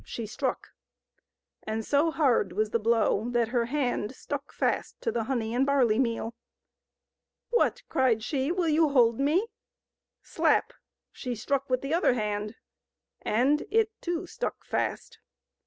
— she struck, and so hard was the blow that her hand stuck fast to the honey and barley meal. "What!" cried she, "will you hold me?" — slapf—sh^ struck with the other hand, and it too stuck fast.